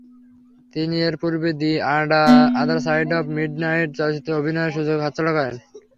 তিনি এর পূর্বে "the other side of midnight" চলচ্চিত্রে অভিনয়ের সুযোগ হাতছাড়া করেন।